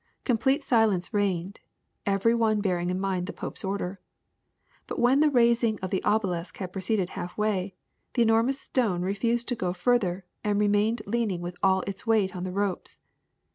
Com plete silence reigned, every one bearing in mind the pope's order. But when the raising of the obelisk had proceeded half way, the enormous stone refused to go further and remained leaning with all its weight on the ropes.